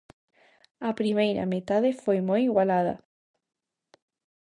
A primeira metade foi moi igualada.